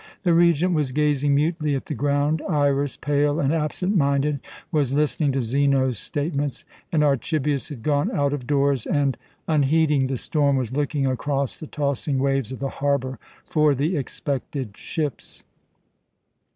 The Regent was gazing mutely at the ground; Iras, pale and absent minded, was listening to Zeno's statements; and Archibius had gone out of doors, and, unheeding the storm, was looking across the tossing waves of the harbour for the expected ships.